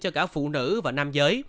cho cả phụ nữ và nam giới